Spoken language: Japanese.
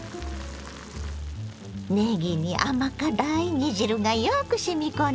ねぎに甘辛い煮汁がよくしみ込んでるわ。